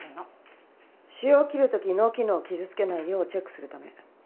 腫瘍を切る時脳機能を傷付けないようチェックするため。